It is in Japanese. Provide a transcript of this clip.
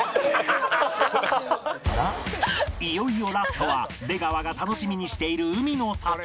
いよいよラストは出川が楽しみにしている海の幸